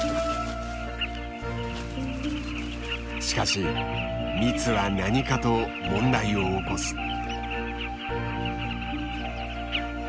しかし密は何かと問題を起こす。